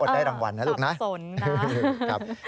อดได้รางวัลนะลูกนะตัดสนนะ